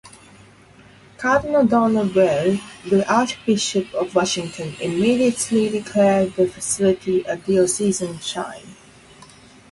Cardinal Donald Wuerl, the Archbishop of Washington, immediately declared the facility a diocesan shrine.